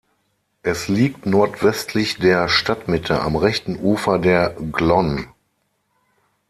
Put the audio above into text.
Es liegt nordwestlich der Stadtmitte am rechten Ufer der Glonn.